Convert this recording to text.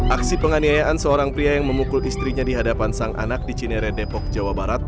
aksi penganiayaan seorang pria yang memukul istrinya di hadapan sang anak di cinere depok jawa barat